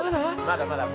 まだまだ。